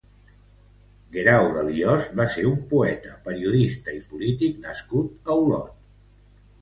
Guerau de Liost va ser un poeta, periodista i polític nascut a Olot.